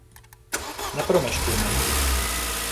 Nepromeškejme ji.